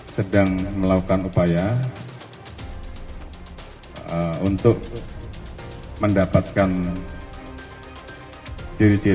sedang melakukan upaya untuk mendapatkan ciri ciri